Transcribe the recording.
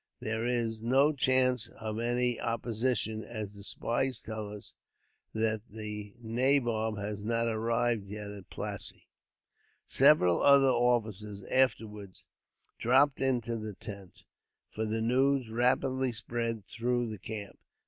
There is no chance of any opposition, as the spies tell us that the nabob has not arrived yet at Plassey." Several other officers afterwards dropped into the tent, for the news rapidly spread through the camp.